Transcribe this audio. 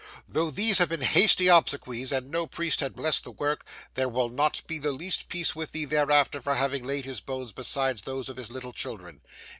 Though these have been hasty obsequies, and no priest has blessed the work, there will not be the less peace with thee thereafter, for having laid his bones beside those of his little children.